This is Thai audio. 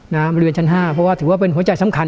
นะมาที่เวียนชั้นห้าเพราะว่าถือว่าเป็นหัวใจสำคัญ